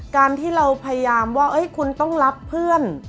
การที่เราพยายามว่าคุณต้องรับเพื่อน